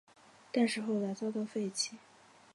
但是后来遭到废弃。